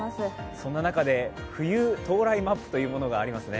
その中で冬到来マップというものがありますね。